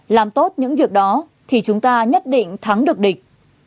làm tốt những việc đó thì chúng ta nhất định thắng được địch